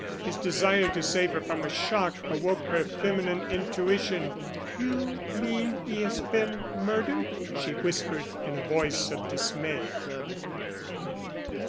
His desire to save her from a shock awoke her feminine intuition. "You mean he has been murdered?" she whispered, in a voice of dismay.